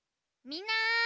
みんな！